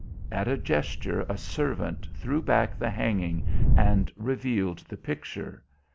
At a gesture a servant threw back the hanging and revealed the picture.